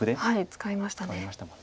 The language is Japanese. はい使いましたね。